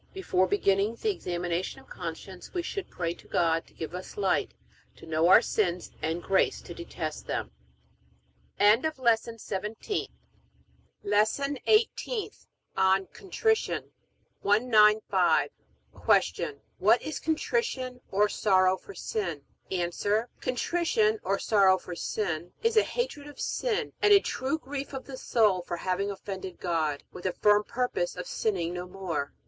Before beginning the examination of conscience we should pray to God to give us light to know our sins and grace to detest them. LESSON EIGHTEENTH ON CONTRITION 195. Q. What is contrition, or sorrow for sin? A. Contrition, or sorrow for sin, is a hatred of sin and a true grief of the soul for having offended God, with a firm purpose of sinning no more.